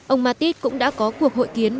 ông mattis cũng đã có cuộc hội kiến